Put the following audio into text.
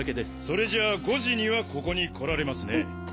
それじゃあ５時にはここに来られますね。